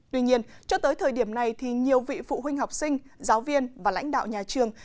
tuy nhiên cho tới thời điểm này thì nhiều vị phụ huynh học sinh giáo viên và lãnh đạo nhà trường